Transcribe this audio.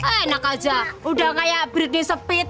enak aja udah kayak berhenti sepit